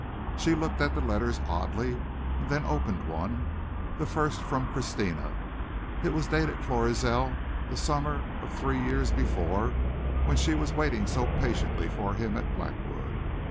She looked at the letters oddly and then opened one the first from Christina. It was dated Florizel, the summer of three years before when she was waiting so patiently for him at Blackwood.